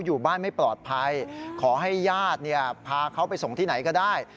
อยู่บ้านไม่ปลอดภัยขอให้ญาติพาเขาไปส่งที่ไหนก็ได้